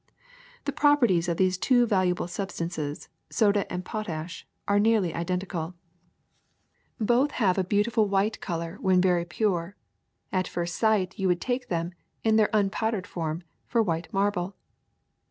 ^' The properties of these two valuable substances, soda and potash, are nearly identical. Both have a SOAP 101 beautiful white color when very pure ; at first sight you would take them, in their unpowdered form, for white marble.